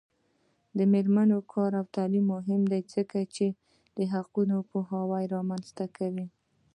د میرمنو کار او تعلیم مهم دی ځکه چې حقونو پوهاوی رامنځته کوي.